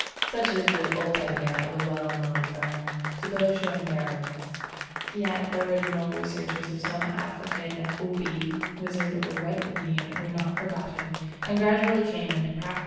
Such is the old idea of a well known fern, Cibotium barometz. Yet the original researches of some African "Obi" wizard or red Indian were not forgotten, and gradually came into practice.